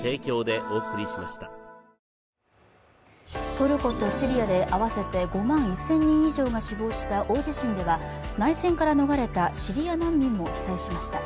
トルコとシリアで合わせて５万１０００人以上が死傷した大地震では、内戦から逃れたシリア難民も被災しました。